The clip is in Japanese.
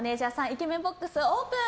イケメンボックスオープン！